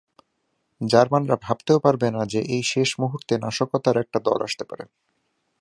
জার্মানরা ভাবতেও পারবে না যে এই শেষ মুহূর্তে নাশকতার একটা দল আসতে পারে।